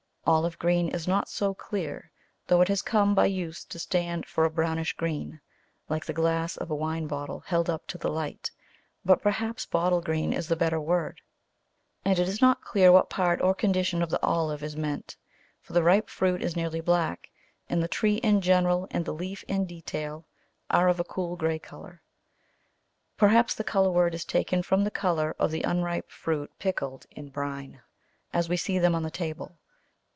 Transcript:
Olive green is not so clear, though it has come by use to stand for a brownish green, like the glass of a wine bottle held up to the light, but perhaps bottle green is the better word. And it is not clear what part or condition of the olive is meant, for the ripe fruit is nearly black, and the tree in general, and the leaf in detail, are of a cool grey colour. Perhaps the colour word is taken from the colour of the unripe fruit pickled in brine, as we see them on the table.